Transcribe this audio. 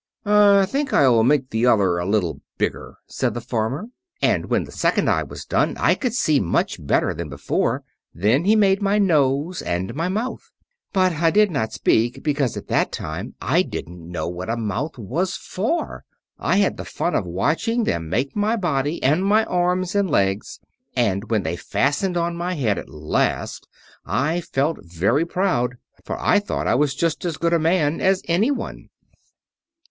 "'I think I'll make the other a little bigger,'" said the farmer. And when the second eye was done I could see much better than before. Then he made my nose and my mouth. But I did not speak, because at that time I didn't know what a mouth was for. I had the fun of watching them make my body and my arms and legs; and when they fastened on my head, at last, I felt very proud, for I thought I was just as good a man as anyone.